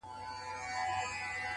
د سکريټو آخيري قطۍ ده پاته”